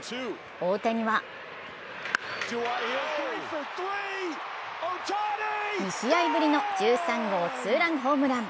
大谷は２試合ぶりの１３号ツーランホームラン。